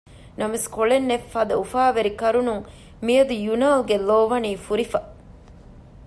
ނަމަވެސް ކޮޅެއް ނެތްފަދަ އުފާވެރި ކަރުނުން މިއަދު ޔުނާލްގެ ލޯ ވަނީ ފުރިފަ